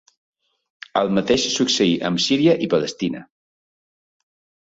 El mateix succeí amb Síria i Palestina.